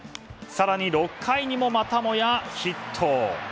更に６回にも、またもやヒット。